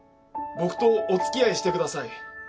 僕とお付き合いしてください。